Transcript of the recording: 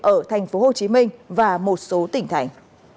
ở tp hcm và một số tỉnh thành